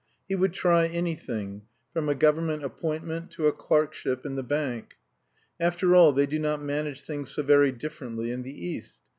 He would try anything, from a Government appointment to a clerkship in the Bank. After all they do not manage things so very differently in the East.